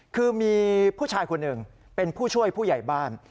คือมีผู้ชายคนหนึ่งเป็นผู้ช่วยผู้ใหญ่บ้าน